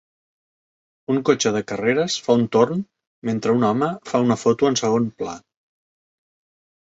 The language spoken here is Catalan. Un cotxe de carreres fa un torn mentre un home fa una foto en segon pla.